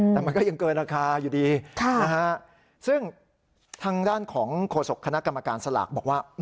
แต่มันก็ยังเกินราคาอยู่ดีซึ่งทางด้านของโฆษกคณะกรรมการสลากบอกว่า